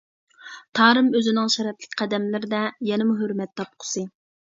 تارىم ئۆزىنىڭ شەرەپلىك قەدەملىرىدە يەنىمۇ ھۆرمەت تاپقۇسى.